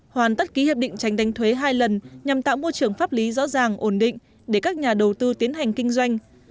hoàn tất ký hiệp định tránh đánh thuế hai lần nhằm tạo môi trường pháp lý rõ ràng ổn định để các nhà đầu tư tiến hành kinh doanh